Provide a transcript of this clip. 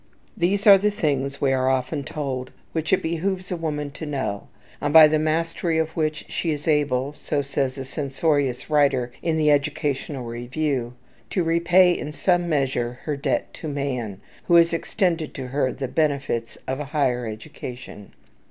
These are the things, we are often told, which it behooves a woman to know, and by the mastery of which she is able, so says a censorious writer in the "Educational Review," "to repay in some measure her debt to man, who has extended to her the benefits of a higher education."